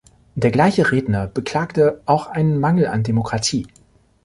Der gleiche Redner beklagte auch einen Mangel an Demokratie.